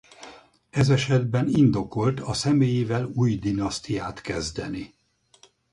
Ez esetben indokolt a személyével új dinasztiát kezdeni.